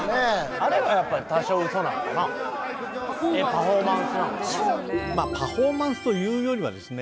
あれはやっぱり多少ウソなんかなパフォーマンスというよりはですね